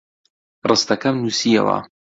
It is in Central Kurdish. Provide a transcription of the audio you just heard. ڕستەکەم نووسییەوە.